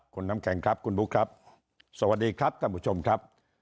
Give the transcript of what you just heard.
คุณน้ำแข็งครับคุณบุ๊คครับสวัสดีครับท่านผู้ชมครับ